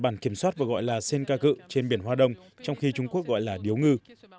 bản kiểm soát và gọi là senkaku trên biển hoa đông trong khi trung quốc gọi là điếu ngư